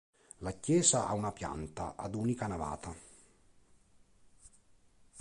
La chiesa ha una pianta ad unica navata.